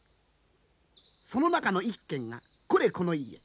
その中の一軒がこれこの家。